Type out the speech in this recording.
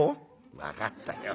「分かったよ。